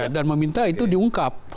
dan meminta itu diungkap